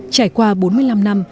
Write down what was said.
trải qua bốn mươi năm năm